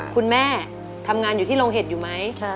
คุณแม่ทำงานอยู่ที่โรงเห็ดอยู่ไหม